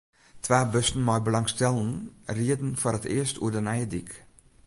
Twa bussen mei belangstellenden rieden foar it earst oer de nije dyk.